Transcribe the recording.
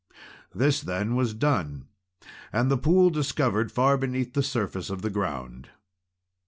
This then was done, and the pool discovered far beneath the surface of the ground.